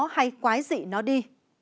hay quái dị nó đi